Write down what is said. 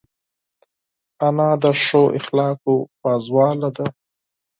انا د ښو اخلاقو پازواله ده